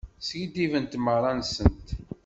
Skiddibent merra-nsent.